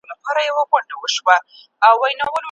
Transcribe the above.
لا یې ساړه دي د برګونو سیوري